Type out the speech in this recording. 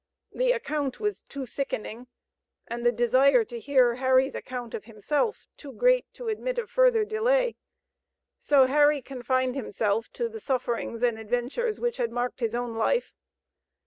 The account was too sickening and the desire to hear Harry's account of himself too great to admit of further delay; so Harry confined himself to the sufferings and adventures which had marked his own life.